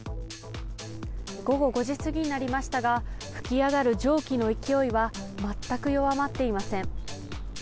午後５時過ぎになりましたが噴き上がる蒸気の勢いは全く弱まっていません。